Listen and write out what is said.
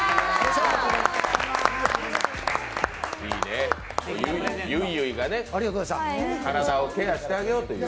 いいね、ゆいゆいが体をケアしてあげようという。